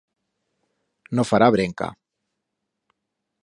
No fará brenca.